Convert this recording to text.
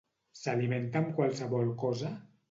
S'alimenta amb qualsevol cosa?